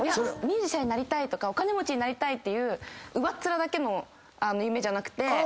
ミュージシャンになりたいとかお金持ちになりたいっていう上っ面だけの夢じゃなくて。